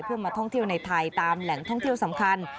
เพื่อมาท่องเที่ยวในไทยตามแหล่งท่องเที่ยวสำคัญ